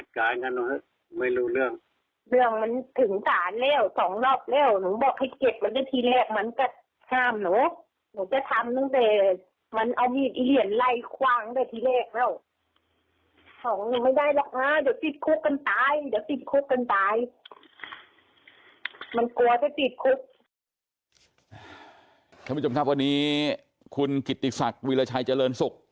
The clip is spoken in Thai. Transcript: ท่านผู้ชมครับวันนี้คุณกิติศักดิ์วิราชัยเจริญศุกร์